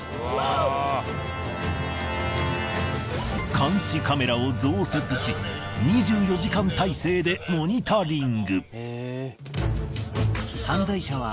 監視カメラを増設し２４時間体制でモニタリング。